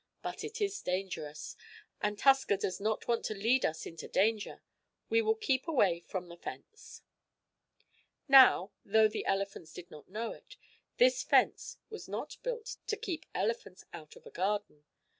But it is dangerous, and Tusker does not want to lead us into danger. We will keep away from the fence." Now, though the elephants did not know it, this fence was not built to keep elephants out of a garden.